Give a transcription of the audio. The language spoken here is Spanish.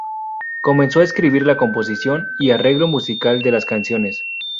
Comenzó a escribir la composición y arreglo musical de las canciones.